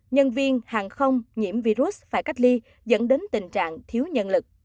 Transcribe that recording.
nhân viên hàng không nhiễm virus phải cách ly dẫn đến tình trạng thiếu nhân lực